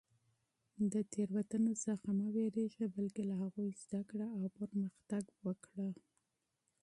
د تېروتنو څخه مه وېرېږه، بلکې له هغوی زده کړه او پرمختګ وکړه.